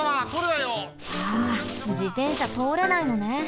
あ自転車とおれないのね。